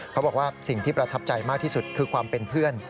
เขาบอกว่าสิ่งที่ประทับใจมากที่สุดคือความเป็นเพื่อน